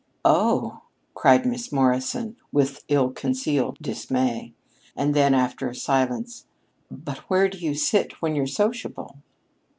"Oh!" cried Miss Morrison with ill concealed dismay. And then, after a silence: "But where do you sit when you're sociable?"